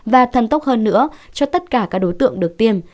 và thần tốc hơn nữa cho tất cả các đối tượng được tiêm